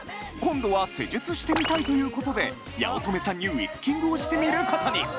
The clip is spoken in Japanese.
今度は施術してみたいということで八乙女さんにウィスキングをしてみる事に！